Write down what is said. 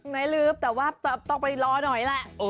ไม่ลืมแต่ว่าต้องไปรอหน่อยแหละ